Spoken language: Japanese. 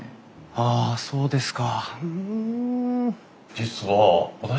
あっそうですか。